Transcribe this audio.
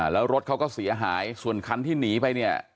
แล้วรถเขาก็เสียหายส่วนคันที่หนีไปเนี่ย